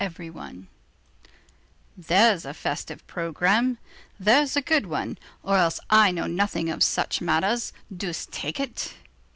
65 —there's a festive programme, there's a good one, or else I know nothing of such matters, deuce take it!"